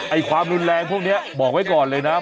ความรุนแรงพวกนี้บอกไว้ก่อนเลยนะ